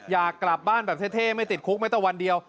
อยากกลับบ้านแบบเท่ไม่ติดคุกไม่แต่วันเดียว